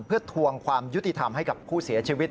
เพื่อทวงความยุติธรรมให้กับผู้เสียชีวิต